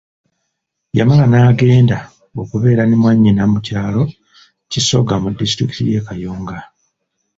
Yamala n'agenda okubeera ne mwanyina mu kyalo kisoga mu disitulikiti y'e Kayunga.